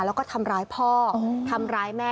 แล้วก็ทำร้ายพ่อทำร้ายแม่